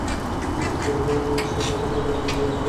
সে তার বেল্টের বাকল দিয়ে আমায় মেরেছিল।